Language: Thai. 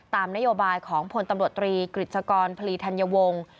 ตามนโยบายของพลตำรวจตรีกฤษกรพลีธัญวงศ์